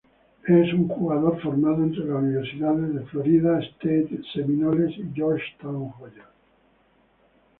Es un jugador formado entre las universidades de Florida State Seminoles y Georgetown Hoyas.